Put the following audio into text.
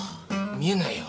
見えないよ。